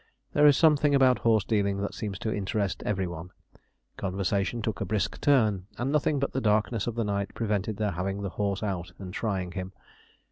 There is something about horse dealing that seems to interest every one. Conversation took a brisk turn, and nothing but the darkness of the night prevented their having the horse out and trying him.